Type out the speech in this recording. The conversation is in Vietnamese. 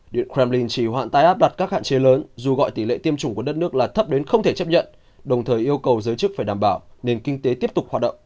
điện kremlin chỉ hoãn tái áp đặt các hạn chế lớn dù gọi tỷ lệ tiêm chủng của đất nước là thấp đến không thể chấp nhận đồng thời yêu cầu giới chức phải đảm bảo nền kinh tế tiếp tục hoạt động